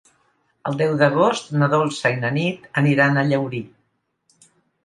El deu d'agost na Dolça i na Nit aniran a Llaurí.